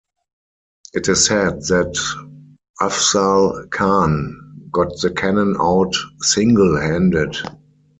It is said that Afzal Khan got the cannon out single-handed.